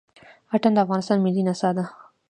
اتڼ د افغانستان ملي نڅا ده.